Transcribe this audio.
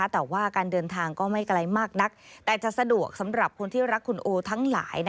แต่ว่าการเดินทางก็ไม่ไกลมากนักแต่จะสะดวกสำหรับคนที่รักคุณโอทั้งหลาย